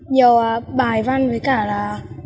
nhiều bài văn với cả là